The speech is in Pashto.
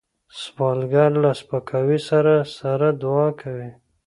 سوالګر له سپکاوي سره سره دعا کوي